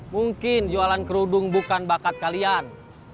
mungkin jualan kerudung bukan bakat kalian